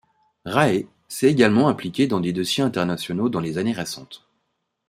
Rae s'est également impliqué dans des dossiers internationaux dans les années récentes.